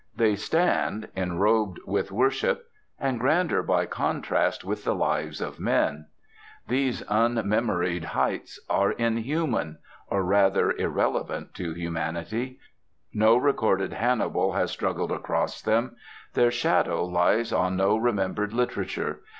They stand, enrobed with worship, and grander by contrast with the lives of men. These un memoried heights are inhuman or rather, irrelevant to humanity. No recorded Hannibal has struggled across them; their shadow lies on no remembered literature.